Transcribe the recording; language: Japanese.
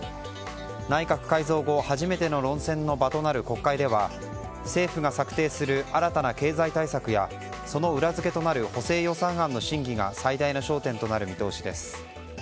内閣改造後初めての論戦の場となる国会では政府が策定する新たな経済対策やその裏付けとなる補正予算案の審議が最大の焦点となる見通しです。